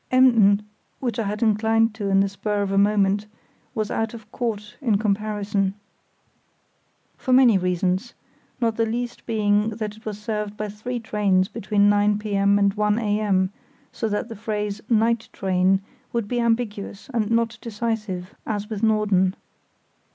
Emden, which I had inclined to on the spur of the moment, was out of court in comparison, for many reasons; not the least being that it was served by three trains between 9 p.m. and 1 a.m., so that the phrase "night train" would be ambiguous and not decisive as with Norden.